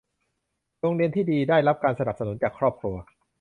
โรงเรียนที่ดีได้รับการสนับสนุนจากครอบครัว